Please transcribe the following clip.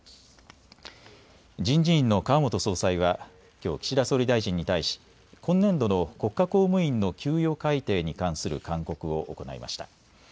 人事院の川本総裁はきょう岸田総理大臣に対し今年度の国家公務員の給与改定に関する勧告を行いました。